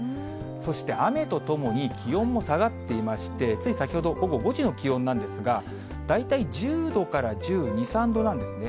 そして雨とともに気温も下がっていまして、つい先ほど、午後５時の気温なんですが、大体１０度から１２、３度なんですね。